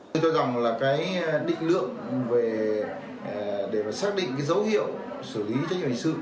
tôi tôi dòng là cái định lượng để xác định dấu hiệu xử lý cho những hành vi sự